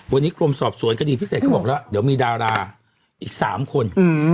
วันนี้กรมสอบสวนคดีพิเศษเขาบอกแล้วเดี๋ยวมีดาราอีก๓คน